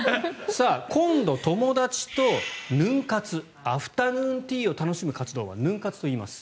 今度、友達とヌン活アフタヌーンティーを楽しむ活動はヌン活といいます。